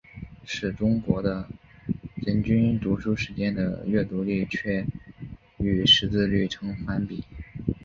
但是中国的人均读书时间的阅读率却与识字率呈反比。